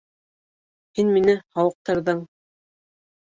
Һин мине һауыҡтырҙың.